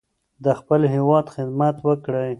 د خپل هیواد خدمت وکړئ.